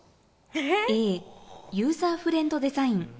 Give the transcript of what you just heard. Ａ、ユーザーフレンドデザイン。